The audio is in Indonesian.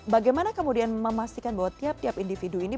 bagaimana kemudian memastikan bahwa tiap tiap individu ini